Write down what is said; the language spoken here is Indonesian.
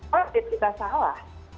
kalau diet kita salah